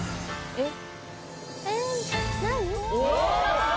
えっ？